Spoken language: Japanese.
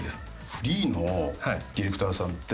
フリーのディレクターさんって。